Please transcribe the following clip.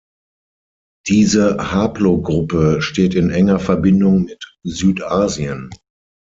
Diese Haplogruppe steht in enger Verbindung mit Südasien.